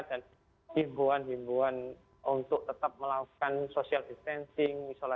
dan himbuan himbuan untuk tetap melakukan social distancing